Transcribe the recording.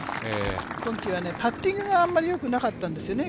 今季はパッティングがあまりよくなかったんですよね。